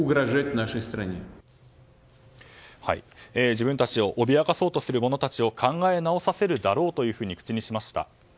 自分たちを脅かそうとする者たちを考えさせ直させるだろうと口にしました。